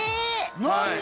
何？